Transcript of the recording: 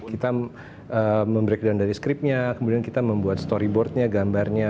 kita memberikan dari skripnya kemudian kita membuat storyboardnya gambarnya